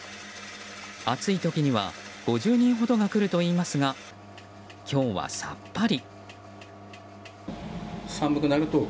暑い時には５０人ほどが来るといいますが今日はさっぱり。